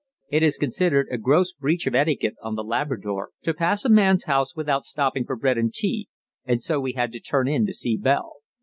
It is considered a gross beach of etiquette on The Labrador to pass a man's house without stopping for bread and tea, and so we had to turn in to see Bell.